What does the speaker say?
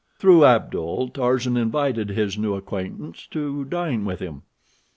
Through Abdul, Tarzan invited his new acquaintance to dine with him.